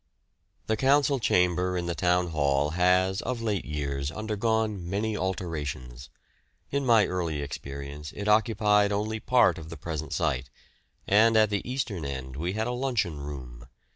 The council chamber in the Town Hall has of late years undergone many alterations. In my early experience it occupied only part of the present site, and at the eastern end we had a luncheon room.